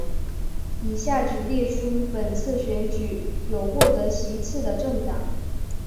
以下只列出本次选举有获得席次的政党